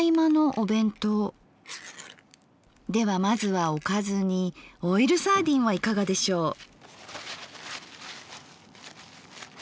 まずはおかずにオイルサーディンはいかがでしょう。